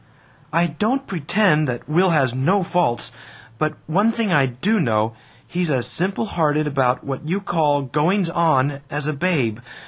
"I don't pretend that Will has no faults. But one thing I do know: He's as simple hearted about what you call 'goings on' as a babe.